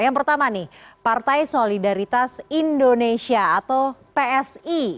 yang pertama nih partai solidaritas indonesia atau psi